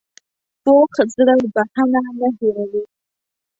پوخ زړه بښنه نه هېروي